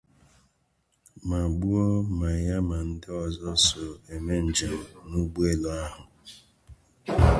ma gbuo ma ya ma ndị ọzọ so eme njem n’ụgbọelu ahụ